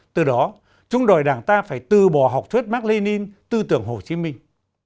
từ đó chúng đòi đảng ta phải tư bỏ học thuyết mạc li nin tư tưởng hồ chí minh